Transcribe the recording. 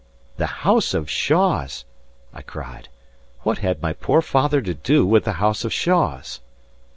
'" "The house of Shaws!" I cried. "What had my poor father to do with the house of Shaws?"